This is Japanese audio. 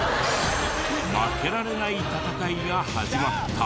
負けられない戦いが始まった。